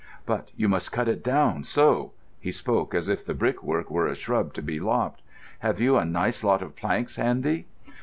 "But you must cut it down, so." He spoke as if the brickwork were a shrub to be lopped. "Have you a nice lot of planks handy?"